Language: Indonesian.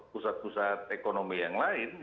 pusat pusat ekonomi yang lain